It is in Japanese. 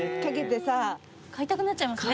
買いたくなっちゃいますね。